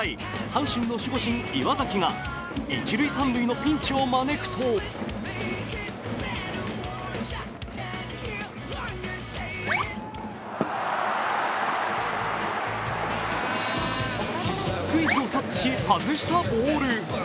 阪神の守護神・岩崎が一塁・三塁のピンチを招くとスクイズを察知し、外したボール。